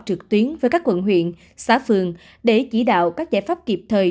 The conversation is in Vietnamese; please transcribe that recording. trực tuyến với các quận huyện xã phường để chỉ đạo các giải pháp kịp thời